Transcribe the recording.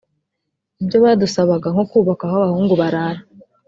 Ibyo badusabaga nko kubaka aho abahungu barara